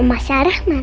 oma sarah mana